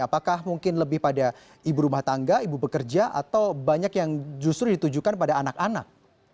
apakah mungkin lebih pada ibu rumah tangga ibu bekerja atau banyak yang justru ditujukan pada anak anak